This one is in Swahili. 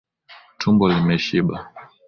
Tumbo limeshiba.